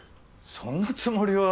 そんなつもりは。